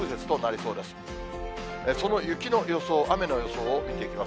その雪の予想、雨の予想を見ていきます。